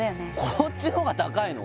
こっちの方が高いの？